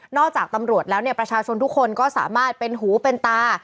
จากตำรวจแล้วเนี่ยประชาชนทุกคนก็สามารถเป็นหูเป็นตา